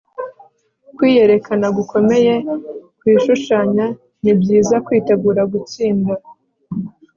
kwiyerekana gukomeye, kwishushanya ni byiza kwitegura gutsinda